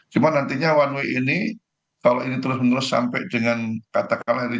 cuma nantinya one way ini kalau ini terus menerus sampai dengan kata kalah hari ini